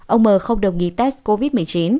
ông m không đồng nghỉ test covid một mươi chín